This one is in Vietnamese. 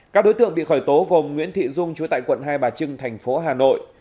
các đối tượng bị khởi tố gồm nguyễn thị dung chú tại quận hai bà trưng thành phố hà nội